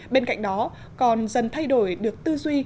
bên cạnh đó còn dần thay đổi được tư duy